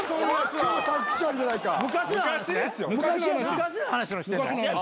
昔の話をしてんの？